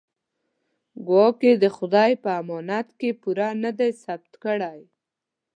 ګواکې د خدای په امانت کې پوره نه دی ثابت کړی.